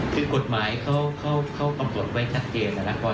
คือกฎหมายเขากำหนดไว้ชัดเจนนะครับว่า